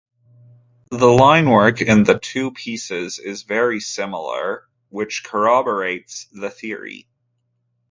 The linework in the two pieces is very similar, which corroborates the theory.